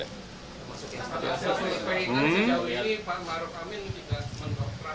survei yang jauh ini pak maruf amin tidak mendongkrak